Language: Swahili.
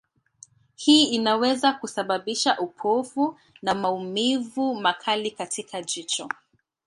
Hii inaweza kusababisha upofu na maumivu makali katika jicho.